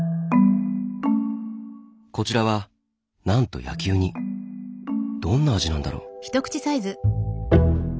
こちらはなんとどんな味なんだろう？